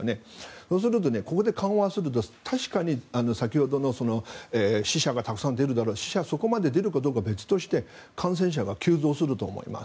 そうすると、ここで緩和すると確かに先ほどの死者がたくさん出るかどうかは別として感染者が急増すると思います。